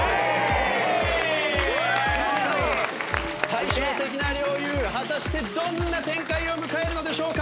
対照的な両雄果たしてどんな展開を迎えるのでしょうか。